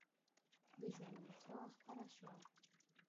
د ژوندون ساه خپره شوه